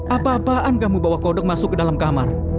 apa apaan kamu bawa kode masuk ke dalam kamar